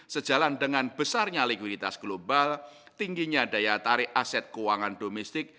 sejalan dengan besarnya likuiditas global tingginya daya tarik aset keuangan domestik